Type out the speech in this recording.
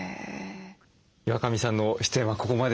岩上さんの出演はここまでです。